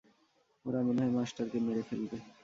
ওরা মনে হয় মাস্টারকে মেরে ফেলবে।